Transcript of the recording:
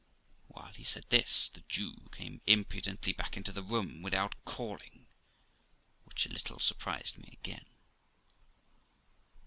While he said this, the Jew came impudently back into the room without calling, which a little surprised me again.